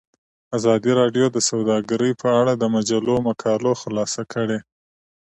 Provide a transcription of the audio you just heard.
ازادي راډیو د سوداګري په اړه د مجلو مقالو خلاصه کړې.